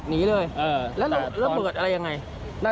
หนีเลยแล้วระเบิดอะไรยังไง